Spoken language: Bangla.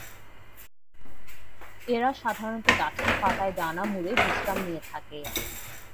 এরা সাধারণত গাছের পাতায় ডানা মুড়ে বিশ্রাম নিয়ে থাকে।